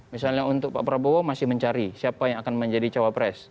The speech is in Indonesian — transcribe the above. misalnya untuk pak prabowo masih mencari siapa yang akan menjadi cawapres